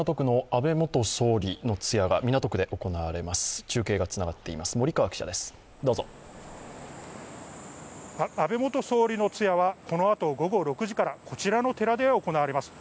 安倍元総理の通夜は、このあと午後６時から、こちらの寺で行われます。